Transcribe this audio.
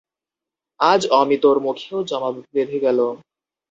আজ অমিতর মুখেও জবাব বেধে গেল।